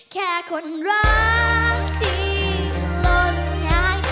แค่คนรักที่หล่นหาย